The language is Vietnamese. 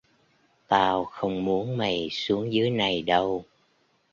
Tao không muốn mày xuống dưới này đâu